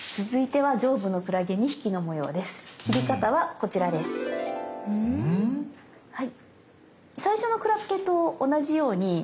はい。